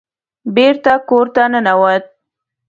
بېرته کور ته ننوت.